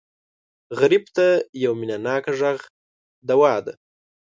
غریب ته یو مینهناک غږ دوا ده